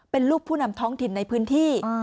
เป็นลูกผู้นำท้องถิ่นในพื้นที่